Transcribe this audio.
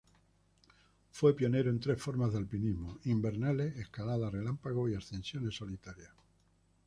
Fue pionero en tres formas de alpinismo: invernales, escaladas relámpago y ascensiones solitarias.